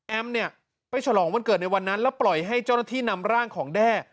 เนี่ยไปฉลองวันเกิดในวันนั้นแล้วปล่อยให้เจ้าหน้าที่นำร่างของแด้